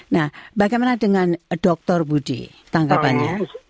nah bagaimana dengan dr budi tanggapannya